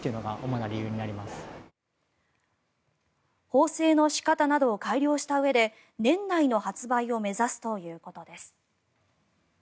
縫製の仕方などを改良したうえで年内の販売を目指すということです。